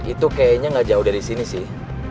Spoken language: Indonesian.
itu kayaknya nggak jauh dari sini sih